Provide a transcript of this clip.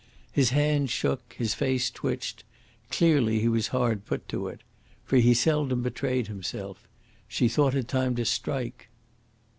His hands shook, his face twitched. Clearly he was hard put to it. For he seldom betrayed himself. She thought it time to strike.